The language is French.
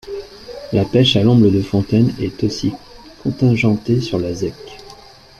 La pêche à l'omble de fontaine est aussi contingentée sur la zec.